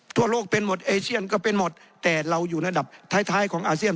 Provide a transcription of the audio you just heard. ทั่วโลกเป็นหมดเอเชียนก็เป็นหมดแต่เราอยู่ระดับท้ายท้ายของอาเซียน